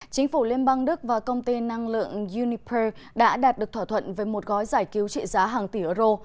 chính phủ liên bang đức và công ty năng lượng uniper đã đạt được thỏa thuận về một gói giải cứu trị giá hàng tỷ euro